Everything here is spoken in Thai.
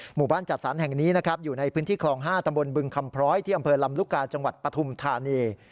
หมู่บ้านจัดสรรแห่งนี้นะครับอยู่ในพื้นที่คลอง๕ตำบลบึงคำพร้อยที่อำเภอลำลูกกาจังหวัดปฐุมธานี